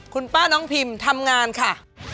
คุณป้าน้องพิมทำงานค่ะ